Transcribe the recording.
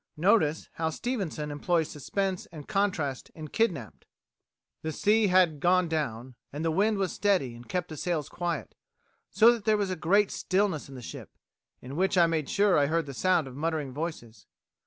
Notice how Stevenson employs suspense and contrast in "Kidnapped." "The sea had gone down, and the wind was steady and kept the sails quiet, so that there was a great stillness in the ship, in which I made sure I heard the sound of muttering voices.